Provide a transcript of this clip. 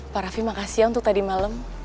pak raffi makasih ya untuk tadi malam